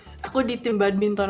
saya dulu di tim badminton